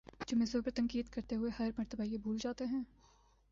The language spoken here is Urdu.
جو مصباح پر تنقید کرتے ہوئے ہر مرتبہ یہ بھول جاتے ہیں